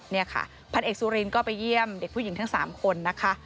นี่ค่ะพันเอกสุรินก็ไปเยี่ยมเด็กผู้หญิงทั้ง๓คนนะคะ